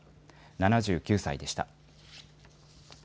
７９歳でした。